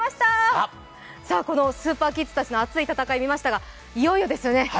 このスーパーキッズたちの熱い戦い見ましたがいよいよですよね。